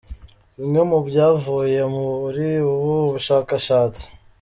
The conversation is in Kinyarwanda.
Bimwe mu byavuye muri ubu bushakashatsi